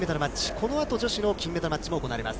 このあと女子の金メダルマッチも行われます。